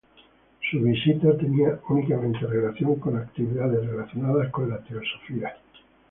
Su visita tenia únicamente relación con actividades relacionadas con la Teosofía.